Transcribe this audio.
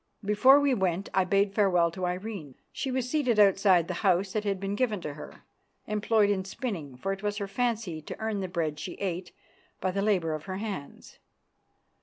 Before we went I bade farewell to Irene. She was seated outside the house that had been given to her, employed in spinning, for it was her fancy to earn the bread she ate by the labour of her hands.